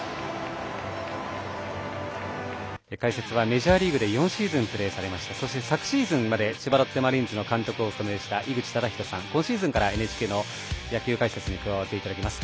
解説はメジャーリーグで４シーズンプレーされましたそして、昨シーズンまで千葉ロッテマリーンズの監督をお務めになられた井口資仁さん、今シーズンからＮＨＫの野球解説に加わっていただきます。